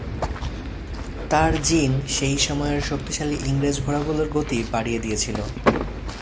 তার জিন সেই সময়ের শক্তিশালী ইংরেজ ঘোড়াগুলোর গতি বাড়িয়ে দিয়েছিল।